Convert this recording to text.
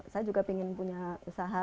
saya juga ingin punya usaha